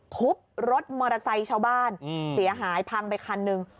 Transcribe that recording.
ทุบรถมอเตอร์ไซค์ชาวบ้านเสียหายพังไปคันหนึ่ง